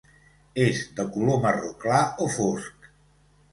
És de color marró clar o fosc.